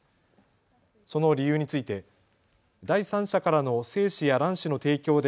その理由について第三者からの精子や卵子の提供で